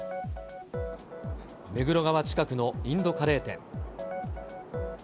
目黒川近くのインドカレー店。